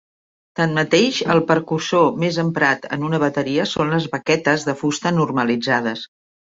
Tanmateix, el percussor més emprat en una bateria són les baquetes de fusta normalitzades.